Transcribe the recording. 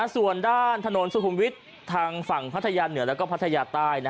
ส่วนด้านถนนสุขุมวิทย์ทางฝั่งพัทยาเหนือแล้วก็พัทยาใต้